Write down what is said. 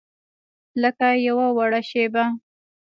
لکه یوه وړه شیبه